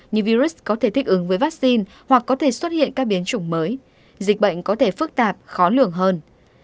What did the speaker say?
như virus có thể thích ứng với vaccine hoặc có thể xuất hiện các biến chủng mới dịch bệnh có thể phức tạp khó lường hơn